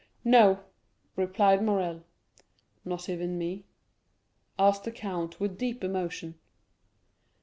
"No," replied Morrel. "Not even me?" asked the count with deep emotion.